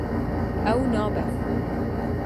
Ew nabe.